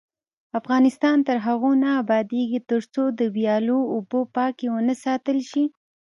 افغانستان تر هغو نه ابادیږي، ترڅو د ویالو اوبه پاکې ونه ساتل شي.